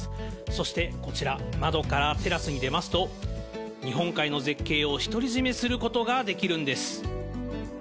そしてこちら、窓からテラスに出ますと、日本海の絶景を独り占めすることができるんです。